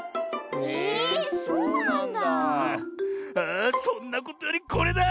あそんなことよりこれだ！